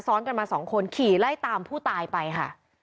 ซ้อนกันมาสองคนขี่ไล่ตามผู้ตายไปค่ะ